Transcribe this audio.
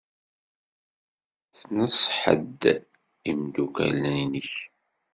Tneṣṣḥeḍ imeddukal-nnek?